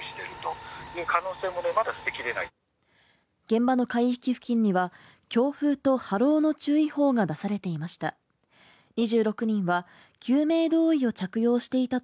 現場の海域付近には、強風と波浪の注意報が出されていました。